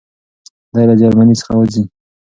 دی له جرمني څخه وځي.